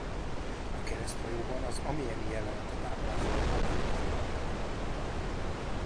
A kereszthajóban az Amiens-i jelenetet ábrázoló modern üvegablak van.